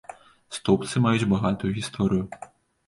Стоўбцы маюць багатую гісторыю.